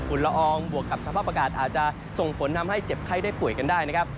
ละอองบวกกับสภาพอากาศอาจจะส่งผลทำให้เจ็บไข้ได้ป่วยกันได้นะครับ